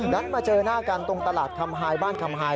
ดันมาเจอหน้ากันตรงตลาดทำฮายบ้านคำฮาย